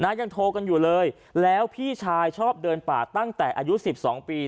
ยังโทรกันอยู่เลยแล้วพี่ชายชอบเดินป่าตั้งแต่อายุสิบสองปี